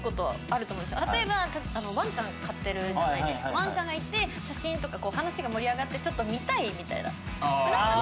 わんちゃんがいて写真とか話が盛り上がって「ちょっと見たい！」みたいな。ああ。